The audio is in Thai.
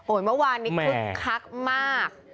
โอ้ยเมื่อวานนี้คุกคลักมาก